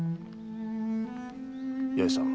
八重さん。